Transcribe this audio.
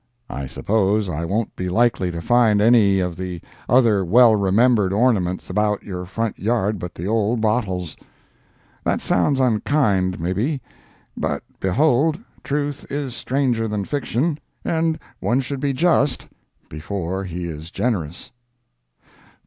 I suppose I won't be likely to find any of the other well remembered ornaments about your front yard but the old bottles. That sounds unkind, may be, but behold, truth is stranger than fiction, and one should be just, before he is generous.